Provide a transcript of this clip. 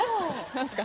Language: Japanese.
何ですか？